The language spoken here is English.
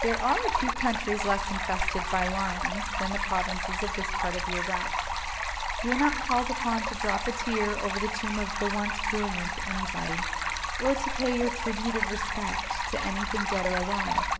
There are few countries less infested by "lions" than the provinces on this part of your route. You are not called upon to "drop a tear" over the tomb of "the once brilliant" anybody, or to pay your "tribute of respect" to anything dead or alive.